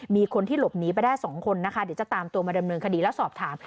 มีคนที่หลบหนีไปได้๒คนนะคะเดี๋ยวจะตามตัวมาดำเนินคดีแล้วสอบถาม